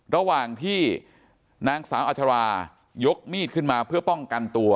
ระหว่างที่นางสาวอัชรายกมีดขึ้นมาเพื่อป้องกันตัว